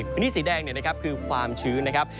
พื้นที่สีแดงเนี่ยนะครับคือความชื้นนะครับ